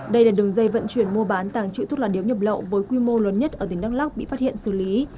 đây là đường dây vận chuyển mua bán tàng trữ thuốc lá điếu nhập lậu với quy mô lớn nhất ở tỉnh đắk lóc bị phát hiện xử lý